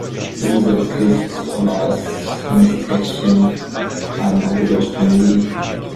Liesel Christ war das Nesthäkchen einer Großfamilie.